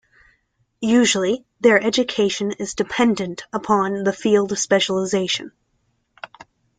Usually their education is dependent upon the field of specialization.